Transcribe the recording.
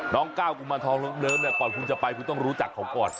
น้องก้าวกุมาลท้องนั้นก่อนคุณจะไปคุณต้องรู้จักเขาก่อน